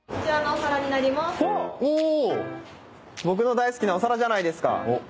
僕の大好きなお皿じゃないですか。